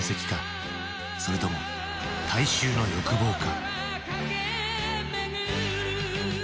それとも大衆の欲望か？